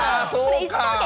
石川県。